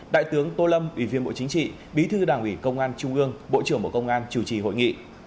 đại tướng tô lâm ủy viên bộ chính trị bí thư đảng ủy công an trung ương bộ trưởng bộ công an chủ trì hội nghị